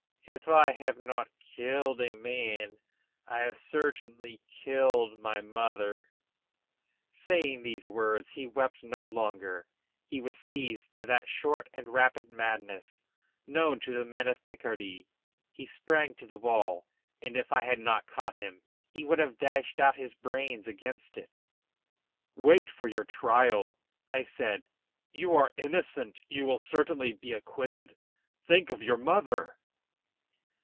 If I have not killed a man, I have certainly killed my mother!" Saying these words he wept no longer; he was seized by that short and rapid madness known to the men of Picardy; he sprang to the wall, and if I had not caught him, he would have dashed out his brains against it. "Wait for your trial," I said. "You are innocent, you will certainly be acquitted; think of your mother."